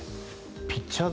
ピッチャーズ